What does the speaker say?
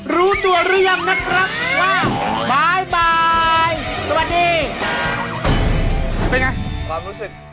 รู้ตัวหรือยังนะครับว่าบ่ายสวัสดีเป็นไงความรู้สึก